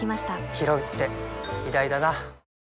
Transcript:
ひろうって偉大だな